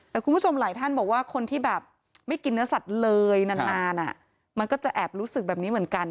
แต่คุณผู้ชมหลายท่านบอกว่าคนที่แบบไม่กินเนื้อสัตว์เลยนานมันก็จะแอบรู้สึกแบบนี้เหมือนกัน